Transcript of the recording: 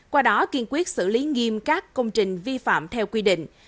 qua đó kiên quyết xử lý nghiêm các công trình vi phạm theo quy định